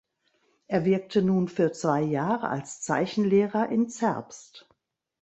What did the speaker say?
Er wirkte nun für zwei Jahre als Zeichenlehrer in Zerbst.